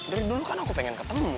dari dulu kan aku pengen ketemu